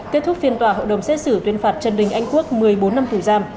kết thúc phiên tòa hội đồng xét xử tuyên phạt trần đình anh quốc một mươi bốn năm tù giam